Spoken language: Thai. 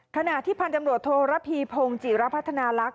ขณะที่พันธ์ตำรวจโทรพีพงศ์จิรพัฒนาลักษณ